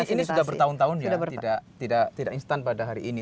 ini sudah bertahun tahun ya tidak instan pada hari ini